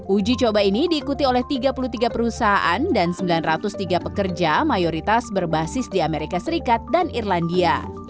uji coba ini diikuti oleh tiga puluh tiga perusahaan dan sembilan ratus tiga pekerja mayoritas berbasis di amerika serikat dan irlandia